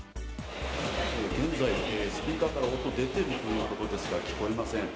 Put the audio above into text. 現在、スピーカーから音出てるということですが、聞こえません。